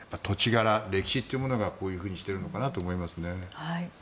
土地柄、歴史というものがこういうふうにしてるのかなって思いますね。